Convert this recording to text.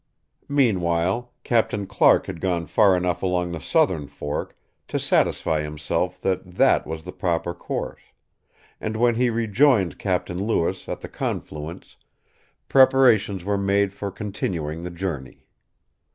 Meanwhile, Captain Clark had gone far enough along the southern fork to satisfy himself that that was the proper course; and when he rejoined Captain Lewis at the confluence, preparations were made for continuing the journey.